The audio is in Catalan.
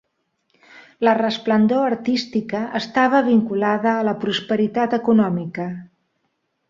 La resplendor artística estava vinculada a la prosperitat econòmica.